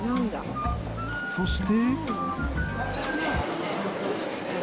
そして。